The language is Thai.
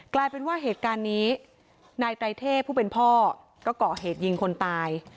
กลายเป็นว่าเหตุการณ์นี้นายไตรเทพผู้เป็นพ่อก็ก่อเหตุยิงคนตาย